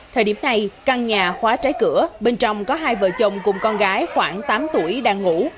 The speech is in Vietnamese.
thời điểm này căn nhà khóa trái cửa bên trong có hai vợ chồng cùng con gái khoảng tám tuổi đang ngủ